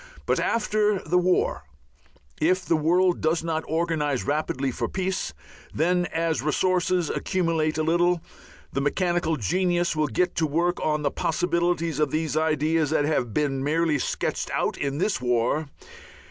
But after the war, if the world does not organize rapidly for peace, then as resources accumulate a little, the mechanical genius will get to work on the possibilities of these ideas that have merely been sketched out in this war.